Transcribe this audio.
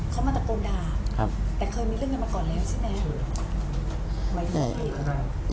เขามาตะโกนด่าครับแต่เคยมีเรื่องนั้นมาก่อนแล้วใช่ไหม